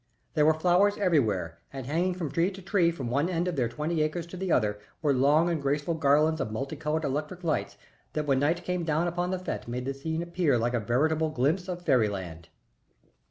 There were flowers everywhere, and hanging from tree to tree from one end of their twenty acres to the other were long and graceful garlands of multicolored electric lights that when night came down upon the fête made the scene appear like a veritable glimpse of fairyland.